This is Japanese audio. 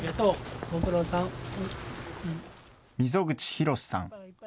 溝口弘さん。